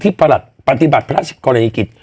ที่ปฏิบัติพระราชกรณีกริจ